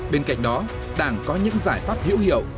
bên cạnh đó đảng có những giải pháp hữu hiệu